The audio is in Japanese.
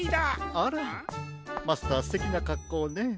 あらマスターすてきなかっこうね。